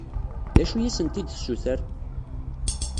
D acu i asent-d-tessuter?